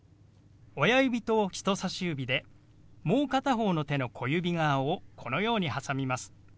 親指と人さし指でもう片方の手の小指側をこのようにはさみます。